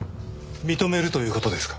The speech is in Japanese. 認めるという事ですか？